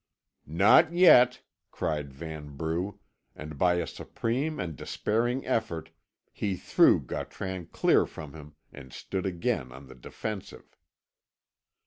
"Not yet," cried Vanbrugh, and by a supreme and despairing effort he threw Gautran clear from him, and stood again on the defensive.